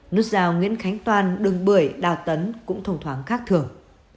nút rào nguyễn khánh toàn đường bưởi đào tấn cũng thông thoáng khác thường